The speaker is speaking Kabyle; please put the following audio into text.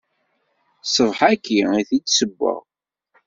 Ṣṣbeḥ-ayi i t-id-ssewweɣ.